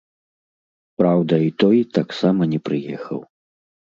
Праўда, і той таксама не прыехаў.